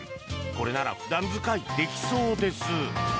これなら普段使いできそうです。